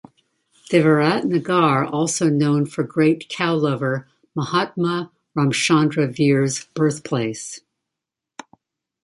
The Virat Nagar also known for Great cow lover Mahatma Ramchandra Veer's birthplace.